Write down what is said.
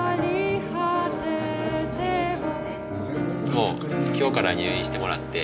もう今日から入院してもらって。